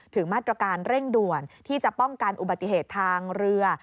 ถึงมาตรการเร่งด่วนที่จะป้องกันอุบัติเหตุทางเรือ